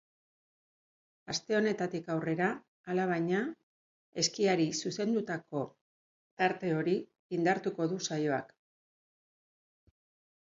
Aste honetatik aurrera, alabaina, eskiari zuzendutako tarte hori indartuko du saioak.